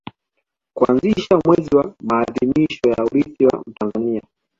kuanzisha mwezi wa maadhimisho ya Urithi wa Mtanzania